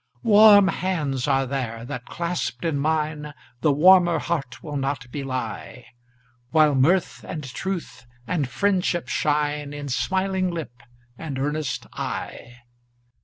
Warm hands are there, that, clasped in mine, The warmer heart will not belie; While mirth, and truth, and friendship shine In smiling lip and earnest eye.